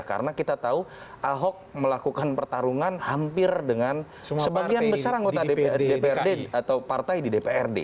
karena kita tahu ahok melakukan pertarungan hampir dengan sebagian besar anggota dprd atau partai di dprd